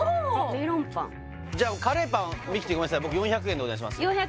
メロンパンカレーパンミキティごめんなさい４００円でお願いします